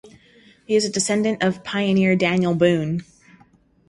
He is a descendant of pioneer Daniel Boone.